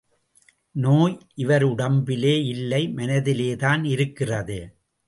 நோய் இவர் உடம்பிலே இல்லை மனதிலேதான் இருக்கிறது.